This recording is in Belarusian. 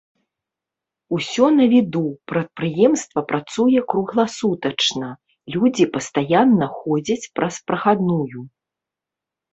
Усё на віду, прадпрыемства працуе кругласутачна, людзі пастаянна ходзяць праз прахадную.